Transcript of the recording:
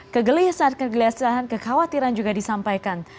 kegelih saat kegelihasaan kekhawatiran juga disampaikan